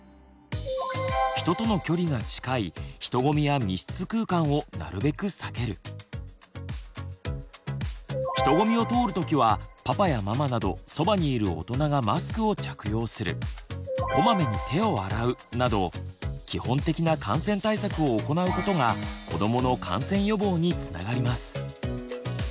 人との距離が近い人混みを通る時はパパやママなどそばにいる大人がマスクを着用するこまめに手を洗うなど基本的な感染対策を行うことが子どもの感染予防につながります。